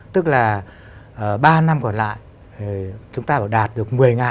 tức là ba năm còn lại chúng ta đã đạt được một mươi nữa